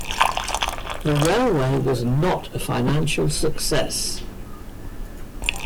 The railway was not a financial success.